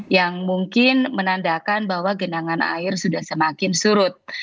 yang mungkin menandakan bahwa genangan air sudah semakin surut